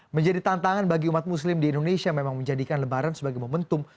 menjadi tantangan bagi umat muslim di indonesia memang menjadikan lebaran sebagai momentum